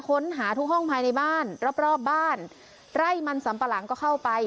ค้นหาทุกห้องภายในบ้านรอบรอบบ้านไร่มันสัมปะหลังก็เข้าไป